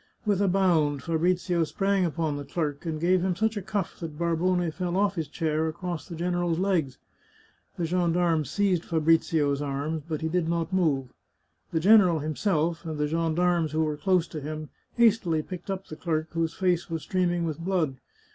With a bound Fabrizio sprang upon the clerk, and gave him such a cuff that Barbone fell off his chair across the general's legs. The gendarmes seized Fabrizio's arms, but he did not move. The general himself, and the gendarmes who were close to him, hastily picked up the clerk, whose face was streaming with blood.